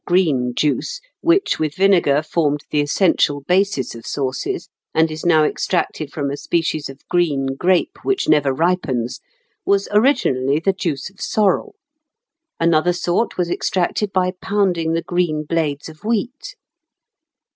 ] Verjuice, or green juice, which, with vinegar, formed the essential basis of sauces, and is now extracted from a species of green grape, which never ripens, was originally the juice of sorrel; another sort was extracted by pounding the green blades of wheat.